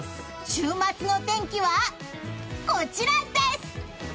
週末の天気はこちらです！